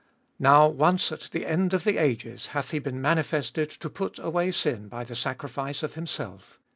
Now once at the end of the ages hath He been manifested to put away sin by the sacrifice of Himself.